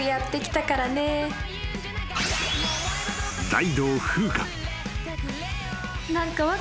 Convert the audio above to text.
［大道風歌］